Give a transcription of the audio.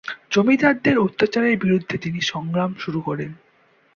জমিদারদের অত্যাচারের বিরুদ্ধে তিনি সংগ্রাম শুরু করেন।